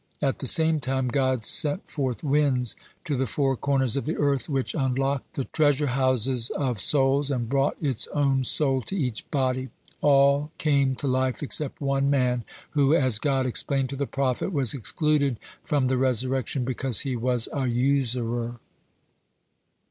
At the same time God sent forth winds to the four corners of the earth, which unlocked the treasure houses of souls, and brought its own soul to each body. All came to life except one man, who, as God explained to the prophet, was excluded from the resurrection because he was a usurer.